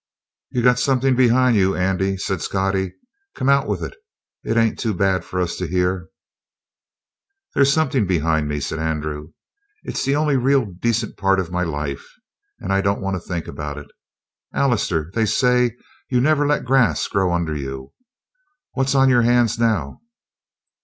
"You got something behind you, Andy," said Scottie. "Come out with it. It ain't too bad for us to hear." "There's something behind me," said Andrew. "It's the one really decent part of my life. And I don't want to think about it. Allister, they say you never let the grass grow under you. What's on your hands now?"